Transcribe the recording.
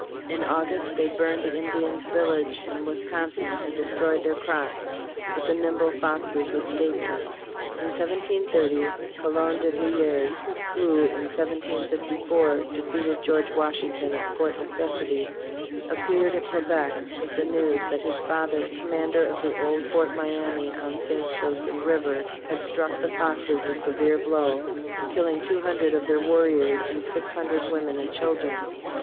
In August, they burned the Indians' village in Wisconsin and de stroyed their crops, but the nimble Foxes escaped him. In 1730, Coulon de Villiers, who in 1754 defeated George Washington at Fort Necessity, appeared at Quebec with the news that his father, com mander of the old Fort Miamis on St. Joseph river, had struck the Foxes a severe blow, killing two hundred of their warriors and six hundred women and children.